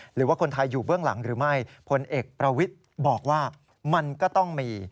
หรือว่าคนไทยอยู่เบื้องหลังหรือไม่ผลเอกประวิทย์บอกว่ามันก็ต้องมี